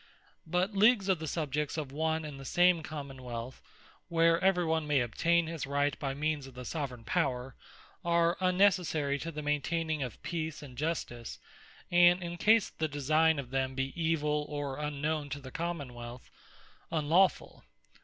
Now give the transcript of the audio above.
But Leagues of the Subjects of one and the same Common wealth, where every one may obtain his right by means of the Soveraign Power, are unnecessary to the maintaining of Peace and Justice, and (in case the designe of them be evill, or Unknown to the Common wealth) unlawfull.